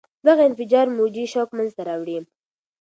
دغه انفجار موجي شوک منځته راوړي.